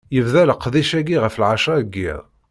Yebda leqdic-agi ɣef lɛecra n yiḍ.